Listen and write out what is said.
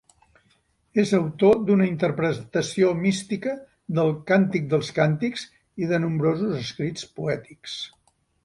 És autor d'una interpretació mística del Càntic dels Càntics i de nombrosos escrits poètics.